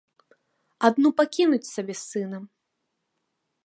Адну пакінуць сабе з сынам.